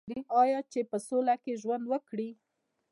آیا چې په سوله کې ژوند وکړي؟